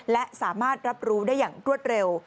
และสามารถรับรู้ได้อย่างรวดเร็ว